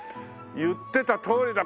言ってたとおりだ。